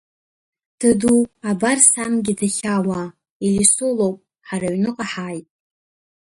Даду, абар сангьы дахьаауа, Елисо лоуп, ҳара аҩныҟа ҳааит!